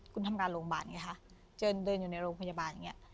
คุณทำงานโรงพยาบาลไงคะเดินอยู่ในโรงพยาบาลอย่างเงี้ย